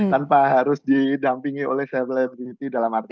tanpa harus didampingi oleh valebility dalam arti